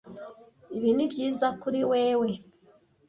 Ibi nibyiza kuri wewe?